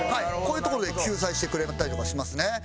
こういうところで救済してくれたりとかしますね。